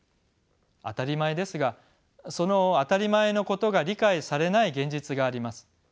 当たり前ですがその当たり前のことが理解されない現実があります。